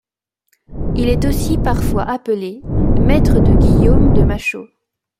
Il est aussi parfois appelé Maître de Guillaume de Machaut.